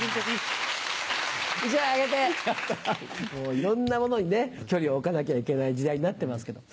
いろんなものに距離を置かなきゃいけない時代になってますけど。